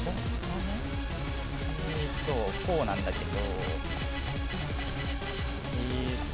えーっとこうなんだけど。